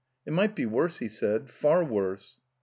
"It might be worse," he said, "far worse."